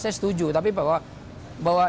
saya setuju tapi bahwa